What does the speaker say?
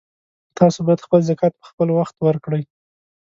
تاسو باید خپل زکات په خپلوخت ورکړئ